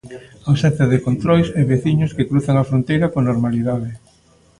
Ausencia de controis, e veciños que cruzan a fronteira con normalidade.